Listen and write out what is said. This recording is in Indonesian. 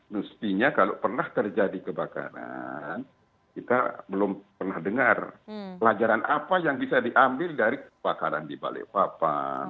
mestinya kalau pernah terjadi kebakaran kita belum pernah dengar pelajaran apa yang bisa diambil dari kebakaran di balikpapan